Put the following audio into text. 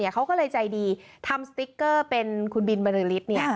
เขาก็เลยใจดีทำสติ๊กเกอร์เป็นคุณบินบริษฐ์